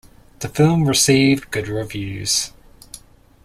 The film received good reviews.